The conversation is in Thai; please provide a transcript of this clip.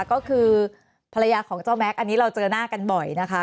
ก็คือภรรยาของเจ้าแม็กซ์อันนี้เราเจอหน้ากันบ่อยนะคะ